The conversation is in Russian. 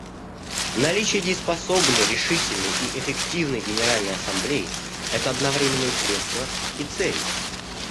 Наличие дееспособной, решительной и эффективной Генеральной Ассамблеи — это одновременно и средство, и цель.